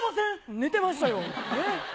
寝てましたよ。